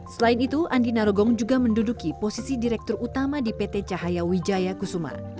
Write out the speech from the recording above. selain itu andi narogong juga menduduki posisi direktur utama di pt cahaya wijaya kusuma